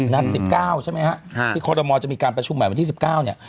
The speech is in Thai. นัด๑๙ใช่ไหมฮะที่คอรมอลจะมีการประชุมใหม่วันที่๑๙เนี่ย